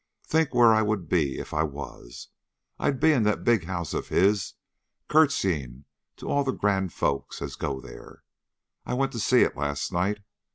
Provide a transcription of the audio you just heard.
Think where I would be if I was! I'd be in that big house of his, curtesying to all the grand folks as go there. I went to see it last night.